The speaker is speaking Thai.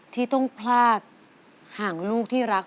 ที่ต้องพลาดห่างลูกที่รัก